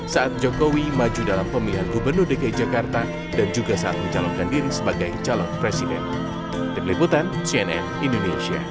saat jokowi maju dalam pemilihan gubernur dki jakarta dan juga saat mencalonkan diri sebagai calon presiden